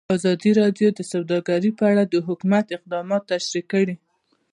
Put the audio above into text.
ازادي راډیو د سوداګري په اړه د حکومت اقدامات تشریح کړي.